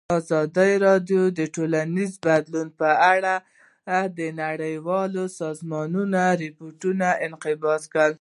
ازادي راډیو د ټولنیز بدلون په اړه د نړیوالو سازمانونو راپورونه اقتباس کړي.